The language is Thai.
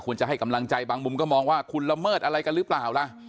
จะให้กำลังใจบางมุมก็มองว่าคุณละเมิดอะไรกันหรือเปล่าล่ะ